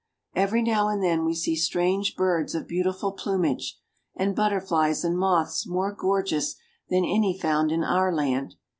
Every now and then we see strange birds of beautiful plumage, and butterflies and moths more gorgeous than any found in our land.